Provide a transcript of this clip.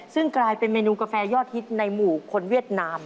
ซึ่งกลายเป็นเมนูกาแฟยอดฮิตในหมู่คนเวียดนาม